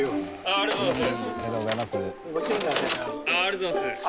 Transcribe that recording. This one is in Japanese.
ありがとうございます。